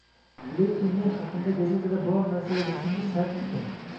Lekin men haqimda gazetada biror narsa yozishingiz shartmikin?